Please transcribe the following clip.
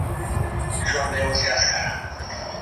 ولې زموږ د پوهنې سیستم وروسته پاتې دی؟